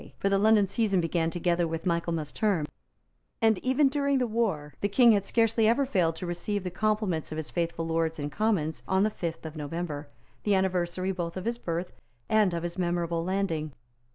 For the London season began together with Michaelmas Term; and, even during the war, the King had scarcely ever failed to receive the compliments of his faithful Lords and Commons on the fifth of November, the anniversary both of his birth and of his memorable landing.